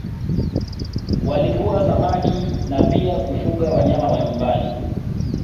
Walivua samaki na pia kufuga wanyama wa nyumbani